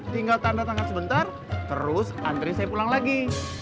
tinggal tanda tangan sebentar terus antri saya pulang lagi